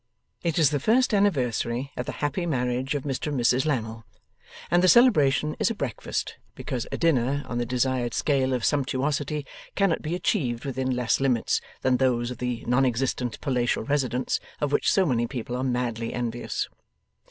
It is the first anniversary of the happy marriage of Mr and Mrs Lammle, and the celebration is a breakfast, because a dinner on the desired scale of sumptuosity cannot be achieved within less limits than those of the non existent palatial residence of which so many people are madly envious.